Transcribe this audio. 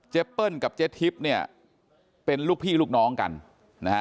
เจ็บเปิ้ลกับเจ็บทริปเนี่ยเป็นลูกพี่ลูกน้องกันนะฮะ